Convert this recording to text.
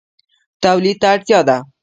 تولید ته اړتیا ده